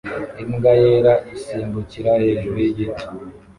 Imbwa yera isimbukira hejuru yigiti